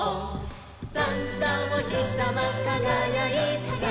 「さんさんおひさまかがやいて」「」